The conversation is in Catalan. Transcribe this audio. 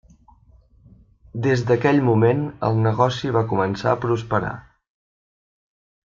Des d'aquell moment el negoci va començar a prosperar.